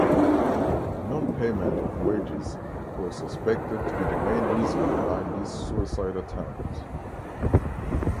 Non-payment of wages was suspected to be the main reason behind this suicide attempt.